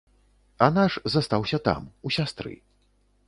А наш застаўся там, у сястры.